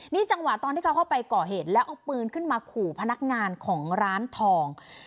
นี่จังหวะตอนที่เขาเข้าไปก่อเหตุแล้วเอาปืนขึ้นมาขู่พนักงานของร้านทอง